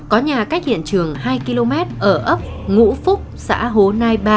có nhà cách hiện trường hai km ở ấp ngũ phúc xã hố nai ba